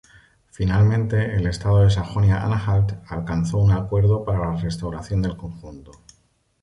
Finalmente el Estado de Sajonia-Anhalt alcanzó un acuerdo para la restauración del conjunto.